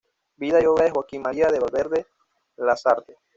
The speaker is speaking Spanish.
Vida y obra de Joaquín María de Valverde Lasarte.